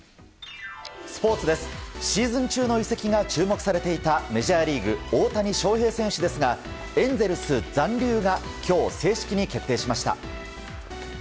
シーズン中野移籍が注目されていたメジャーリーグ大谷翔平選手ですがエンゼルス残留が今日正式に決定しました。